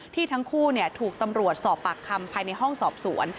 ทั้งคู่ถูกตำรวจสอบปากคำภายในห้องสอบสวน